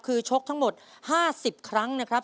คือชกทั้งหมด๕๐ครั้งนะครับ